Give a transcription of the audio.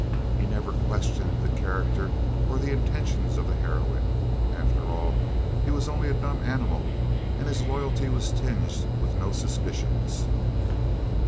He never questioned the character or the intentions of the heroine. After all, he was only a dumb animal and his loyalty was tinged with no suspicions.